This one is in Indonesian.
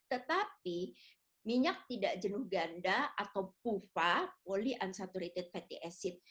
tetapi minyak tidak jenuh ganda atau puva polyunsaturated fatty acid